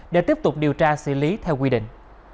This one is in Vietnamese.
để tiếp tục điều tra xử lý theo quy định